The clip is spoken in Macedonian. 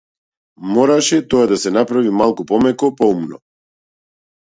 Мораше тоа да се направи малку помеко, поумно.